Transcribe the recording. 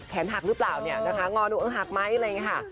แขนหักหรือเปล่ายอมหักไหมอะไรอย่างนี้ค่ะ